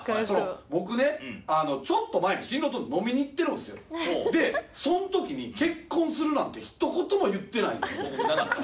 僕ねちょっと前に新郎と飲みに行ってるんすよでそのときに結婚するなんて一言も言ってないのに報告なかった？